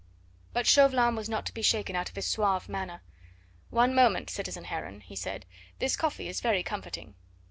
But Chauvelin was not to be shaken out of his suave manner. "One moment, citizen Heron," he said; "this coffee is very comforting.